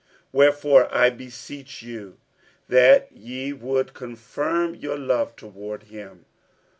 47:002:008 Wherefore I beseech you that ye would confirm your love toward him.